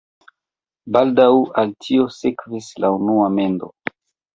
Baldaŭ al tio sekvis la unua mendo.